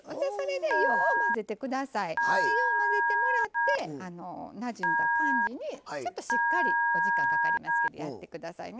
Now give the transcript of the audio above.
でよう混ぜてもらってなじんだ感じにちょっとしっかりお時間かかりますけどやってくださいね。